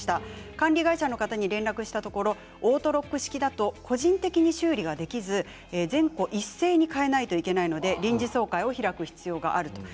管理会社に連絡したところオートロック形式だと個人で修理ができず全戸一斉に変えなければいけないので臨時総会を開く必要があります。